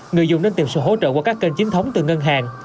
người dùng nên tìm sự hỗ trợ qua các kênh chính thống từ ngân hàng